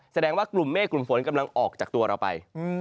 แสดงว่ากลุ่มเมฆกลุ่มฝนกำลังออกจากตัวเราไป